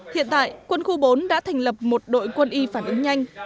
hiện tại quân khu bốn đã thành lập một đội quân y phản ứng nhanh